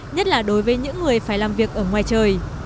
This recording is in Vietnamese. nhất là đối với những người phải làm việc ở ngoài trời